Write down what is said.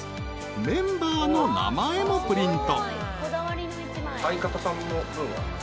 メンバーの名前もプリント］